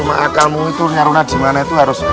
akalmu itu nyaruna dimana itu harus